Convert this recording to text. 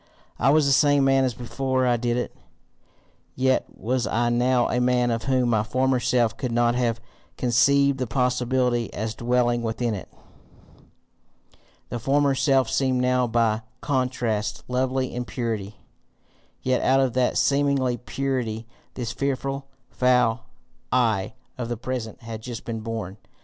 I was the same man as before I did it, yet was I now a man of whom my former self could not have conceived the possibility as dwelling within it. The former self seemed now by contrast lovely in purity, yet out of that seeming purity this fearful, foul I of the present had just been born!